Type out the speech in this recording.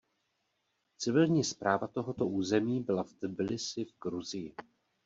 Civilní správa tohoto území byla v Tbilisi v Gruzii.